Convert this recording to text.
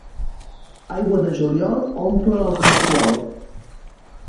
Aigua de juliol omple el cossiol.